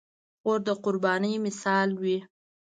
خور د قربانۍ مثال وي.